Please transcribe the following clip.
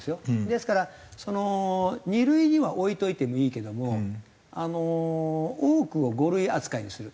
ですからその２類には置いておいてもいいけども多くを５類扱いにする。